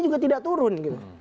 juga tidak turun